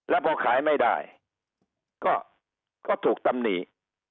แล้วพอขายไม่ได้ก็ถูกตำหนิ